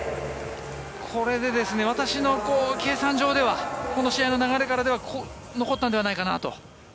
これで私の計算上ではこの試合の流れからでは残ったんではないかなと。